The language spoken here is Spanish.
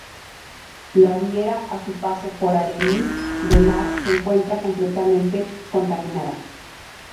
La Riera a su paso por Arenys de Mar se encuentra completamente contaminada.